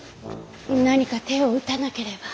何か手を打たなければ。